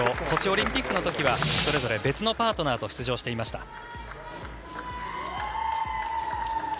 ソチオリンピックの時はそれぞれ別のパートナーと出場していました。